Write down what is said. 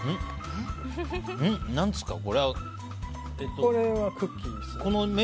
これはクッキーです。